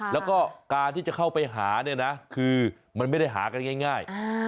แล้วก็การที่จะเข้าไปหาเนี่ยนะคือมันไม่ได้หากันง่าย